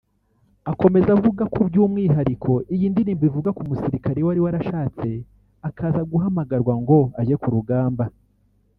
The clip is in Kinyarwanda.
Akomeza avuga ko by’umwihariko iyi ndirimbo ivuga ku musirikare wari warashatse akaza guhamagarwa ngo ajye ku rugamba